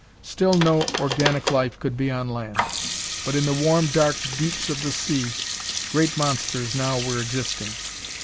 Still no organic life could be on land. But in the warm, dark deeps of the sea, great monsters now were existing.